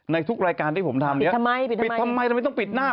ในทุกรายการที่ผมทำปิดทำไมทำไมต้องปิดหน้า